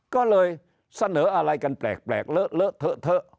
ก็เลยเสนออะไรกันแปลกเลอะเลอะเทอะเทอะ